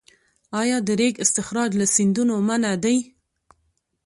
آیا د ریګ استخراج له سیندونو منع دی؟